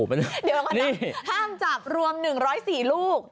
เดี๋ยวขนาดห้ามจับรวม๑๐๔ลูก